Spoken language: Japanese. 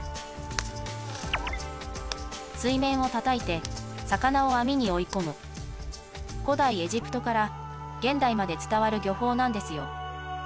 水面をたたいて魚を網に追い込む古代エジプトから現代まで伝わる漁法なんですよ